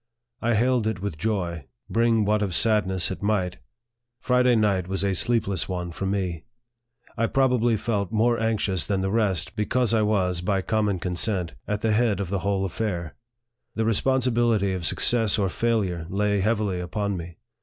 I hailed it with joy, bring what of sadness it might Friday night was a sleepless one for me. I probably felt more anxious than the rest, because I was, by com mon consent, at the head of the whole affair. The responsibility of success or failure lay heavily upon me.